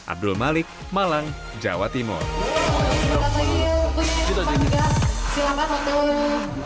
abdul malik malang jawa timur